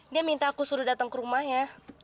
dia minta aku suruh datang ke rumahnya